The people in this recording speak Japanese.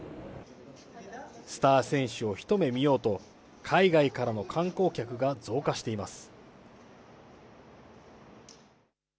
スター選手を一目見ようと、海外からの観光客が増加しています。